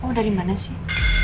kamu dari mana sih